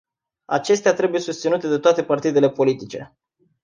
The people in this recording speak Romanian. Acestea trebuie susținute de toate partidele politice.